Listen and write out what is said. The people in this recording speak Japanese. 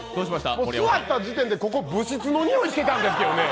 座った時点でここ、部室のにおいしてたんですよね。